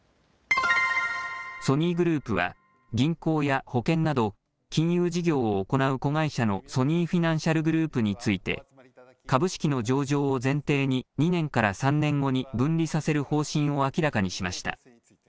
ソニーグループは銀行や保険など金融事業を行う子会社のソニーフィナンシャルグループについて株式の上場を前提に２年から３年後に分離させる方針を明らかにしました。